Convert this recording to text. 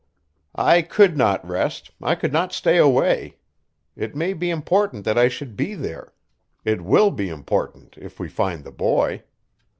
"I could not rest I could not stay away. It may be important that I should be there it will be important if we find the boy.